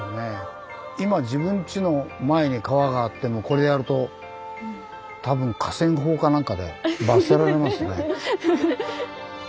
今自分ちの前に川があってもこれやると多分河川法か何かで罰せられますね。